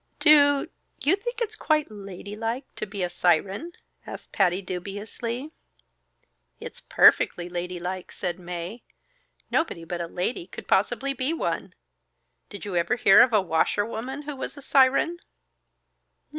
"Do you think it's quite ladylike to be a siren?" asked Patty dubiously. "It's perfectly ladylike!" said Mae. "Nobody but a lady could possibly be one. Did you ever hear of a washerwoman who was a siren?"